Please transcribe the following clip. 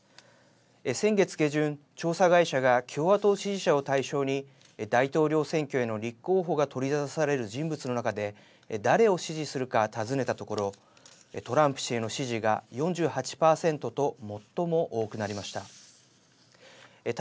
先月下旬、調査会社が共和党支持者を対象に大統領選挙への立候補が取り沙汰される人物の中で誰を支持するか尋ねたところトランプ氏への支持が４８％と最も多くなりました。